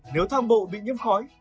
nếu thang bộ bị nhiễm khói